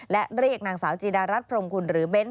และเรียกนางสาวจีดารัฐพรมกุลหรือเบ้น